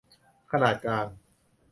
ขนาดกลาง